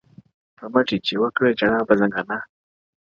• په مټي چي وكړه ژړا پر ځـنـگانــه ـ